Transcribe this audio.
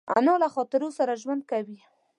انا له خاطرو سره ژوند کوي